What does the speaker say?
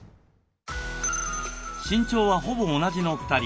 身長はほぼ同じの２人。